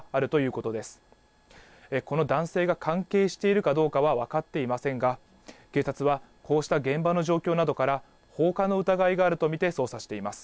この男性が関係しているかどうかは分かっていませんが、警察はこうした現場の状況などから、放火の疑いがあると見て捜査しています。